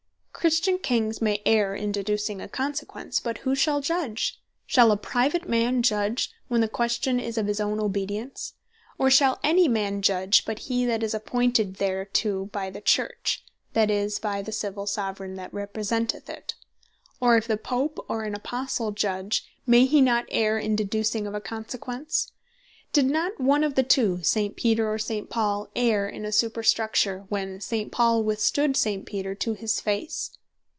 Christian Kings may erre in deducing a Consequence, but who shall Judge? Shall a private man Judge, when the question is of his own obedience? or shall any man Judg but he that is appointed thereto by the Church, that is, by the Civill Soveraign that representeth it? or if the Pope, or an Apostle Judge, may he not erre in deducing of a consequence? did not one of the two, St. Peter, or St. Paul erre in a superstructure, when St. Paul withstood St. Peter to his face?